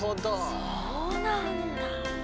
そうなんだ。